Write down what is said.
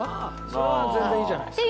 それは全然いいじゃないですか。